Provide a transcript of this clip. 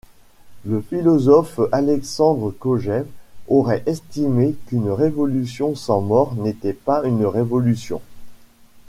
Le philosophe Alexandre Kojève aurait estimé qu'une révolution sans mort n'était pas une révolution.